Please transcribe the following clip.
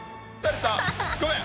ごめん！